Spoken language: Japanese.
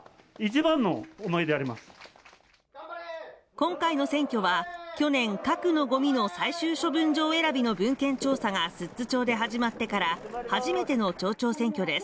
今回の選挙は去年核のごみの最終処分場選びの文献調査が寿都町で始まってから初めての町長選挙です